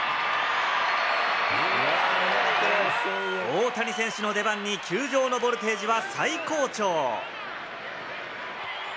大谷選手の出番に球場のボルテージは最高潮。